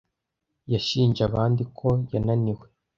Yashinje abandi ko yananiwe.